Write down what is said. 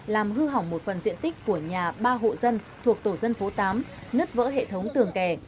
làm hư hỏng một phần diện tích của nhà ba hộ dân thuộc tổ dân phố tám nứt vỡ hệ thống tường kè